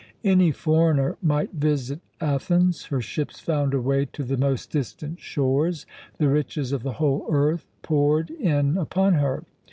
Any foreigner might visit Athens; her ships found a way to the most distant shores; the riches of the whole earth poured in upon her.